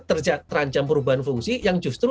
terancam perubahan fungsi yang justru